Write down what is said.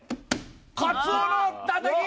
カツオのたたき！